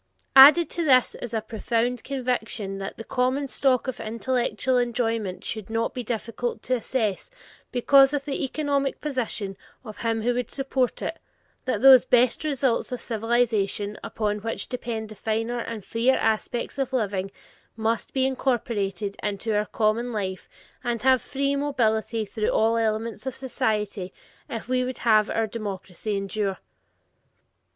Added to this is a profound conviction that the common stock of intellectual enjoyment should not be difficult of access because of the economic position of him who would approach it, that those "best results of civilization" upon which depend the finer and freer aspects of living must be incorporated into our common life and have free mobility through all elements of society if we would have our democracy endure.